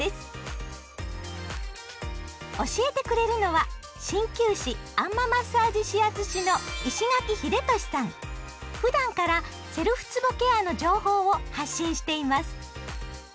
教えてくれるのは鍼灸師あん摩マッサージ指圧師のふだんからセルフつぼケアの情報を発信しています。